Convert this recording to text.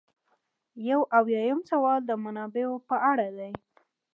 یو اویایم سوال د منابعو په اړه دی.